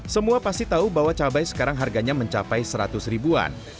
semua pasti tahu bahwa cabai sekarang harganya mencapai seratus ribuan